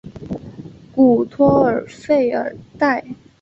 古托尔弗尔代。